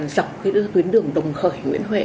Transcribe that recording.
dọc tuyến đường đồng khởi nguyễn huệ